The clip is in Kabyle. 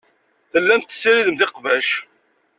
Tellamt tessiridemt iqbac.